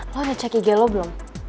lo udah cek ig lo belum